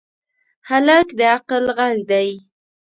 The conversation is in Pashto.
هلک د عقل غږ دی.